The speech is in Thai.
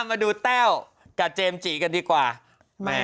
มาดูแต้วกับเจมส์จีกันดีกว่าแม่